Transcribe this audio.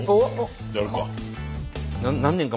やるか。